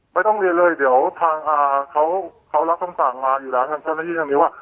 ไม่ต้องเรียนเลยเดี๋ยวเขารักต่างมาอยู่แล้วทางเช่นนี้